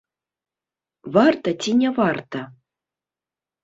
Варта ці не варта?